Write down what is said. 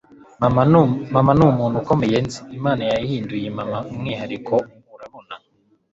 mama numuntu ukomeye nzi, imana yahinduye mama umwihariko, urabona